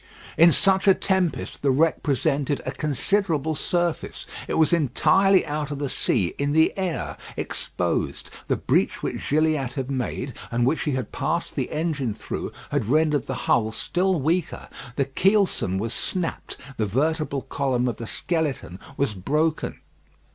In such a tempest, the wreck presented a considerable surface. It was entirely out of the sea in the air, exposed. The breach which Gilliatt had made, and which he had passed the engine through, had rendered the hull still weaker. The keelson was snapped, the vertebral column of the skeleton was broken.